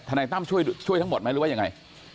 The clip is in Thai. นายตั้มช่วยทั้งหมดไหมหรือว่ายังไง